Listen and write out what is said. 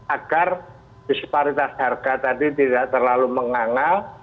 agar disparitas harga tadi tidak terlalu mengangal